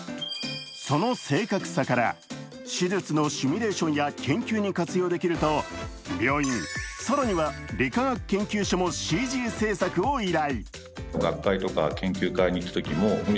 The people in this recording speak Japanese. その正確さから、手術のシミュレーションや研究に活用できると病院、更には理化学研究所もＣＧ制作を依頼。